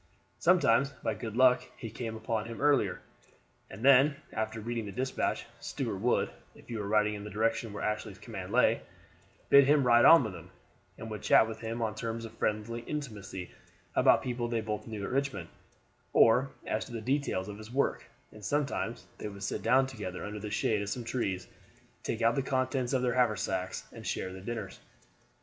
Sometimes by good luck he came upon him earlier, and then, after reading the despatch, Stuart would, if he were riding in the direction where Ashley's command lay, bid him ride on with him, and would chat with him on terms of friendly intimacy about people they both knew at Richmond, or as to the details of his work, and sometimes they would sit down together under the shade of some trees, take out the contents of their haversacks, and share their dinners.